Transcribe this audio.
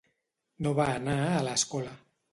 No va anar a l'escola.